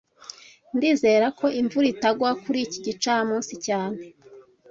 Ndizera ko imvura itagwa kuri iki gicamunsi cyane